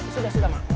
sudah sudah mama